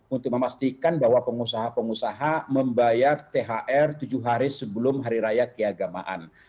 untuk memastikan bahwa pengusaha pengusaha membayar thr tujuh hari sebelum hari raya keagamaan